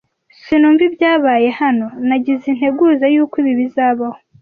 Sinumva ibyabaye hano. Nagize integuza yuko ibi bizabaho.